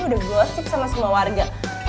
udah gosip sama semua warga